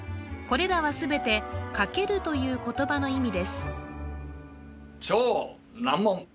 これらは全て「かける」という言葉の意味です